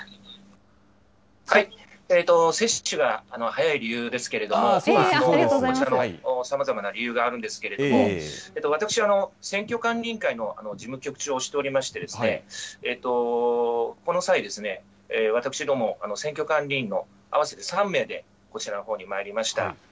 接種が早い理由ですけれども、さまざまな理由があるんですけれども、私は選挙管理委員会の事務局長をしておりまして、この際、私ども、選挙管理委員の合わせて３名でこちらのほうに参りました。